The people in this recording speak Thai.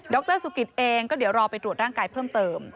รสุกิตเองก็เดี๋ยวรอไปตรวจร่างกายเพิ่มเติม